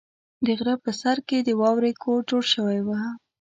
د غره په سر کې د واورې کور جوړ شوی و.